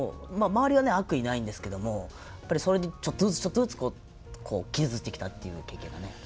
悪意ないんですけどもそれでちょっとずつちょっとずつこう傷ついてきたっていう経験がね。